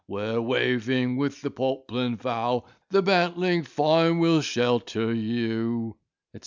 Where waving with the poplin vow, The bantling fine will shelter you," etc.